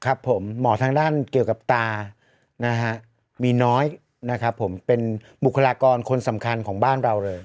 ครับผมหมอทางด้านเกี่ยวกับตานะฮะมีน้อยนะครับผมเป็นบุคลากรคนสำคัญของบ้านเราเลย